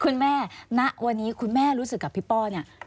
คุณแม่ณวันนี้คุณแม่รู้สึกกับพี่ป้อเนี่ย